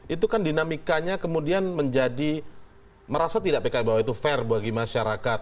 itu kan dinamikanya kemudian menjadi merasa tidak pki bahwa itu fair bagi masyarakat